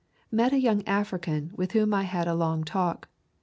Met a young African with whom I had a long talk.